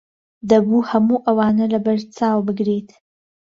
دەبوو هەموو ئەوانە لەبەرچاو بگریت.